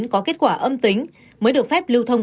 có kết quả âm tính mới được phép lưu thông